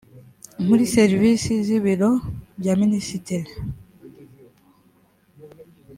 muri serivisi z ibiro bya minisitiri